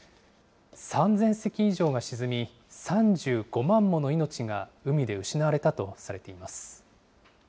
３０００隻以上が沈み、３５万もの命が海で失われたとされています。